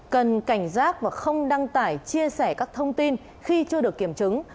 cần cảnh giác và không đăng tải chia sẻ các thông tin khi chưa được kiểm chứng